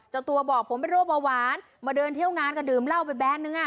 เจ้าตัวบอกผมเป็นโรคเบาหวานมาเดินเที่ยวงานก็ดื่มเหล้าไปแบนนึงอ่ะ